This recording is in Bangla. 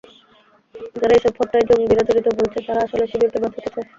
যারা এসব হত্যায় জঙ্গিরা জড়িত বলছে, তারা আসলে শিবিরকে বাঁচাতে চায়।